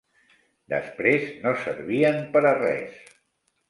Després no servien pera res.